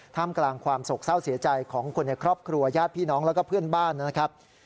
ท่ามกลางความโศกเศร้าเสียใจของคนในครอบครัวญาติพี่น้องแล้วก็เพื่อนบ้านนะครับ